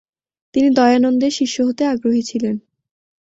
তিনি দয়ানন্দের শিষ্য হতে আগ্রহী ছিলেন।